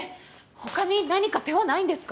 他に何か手はないんですか？